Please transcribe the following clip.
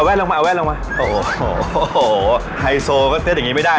เอาแวดลงมาไฮโซก็เดี๋ยวดังงี้ไม่ได้